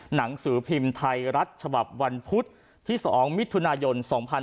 หนังสือพิมพ์ไทยรัฐฉบับวันพุธที่๒มิถุนายน๒๕๖๒